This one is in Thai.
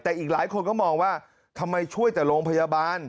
แต่อีกหลายคนก็มองว่าทำไมช่วยแต่โรงพยาบาล